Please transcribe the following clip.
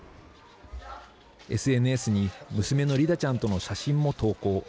ＳＮＳに娘のリダちゃんとの写真も投稿。